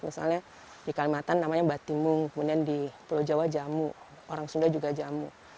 misalnya di kalimantan namanya batimung kemudian di pulau jawa jamu orang sunda juga jamu